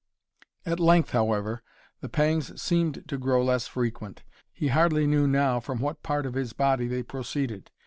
At length, however, the pangs seemed to grow less frequent. He hardly knew now from what part of his body they proceeded.